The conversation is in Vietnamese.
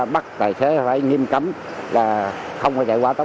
và các doanh nghiệp cá nhân và lái xe